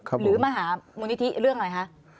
ครับผมหรือมาหามูลิธิเรื่องอะไรคะ